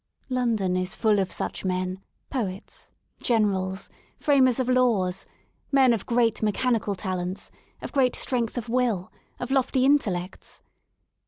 London is full of such men — poets, generals, framers of laws, men of great mechanical talents, of great strength of will, of lofty intellects.